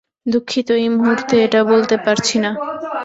দুঃখিত, এই মুহুর্তে এটা বলতে পারছি না।